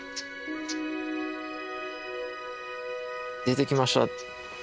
出てきました。